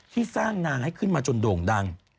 ที่สร้างนางให้ขึ้นมาจนโด่งดัง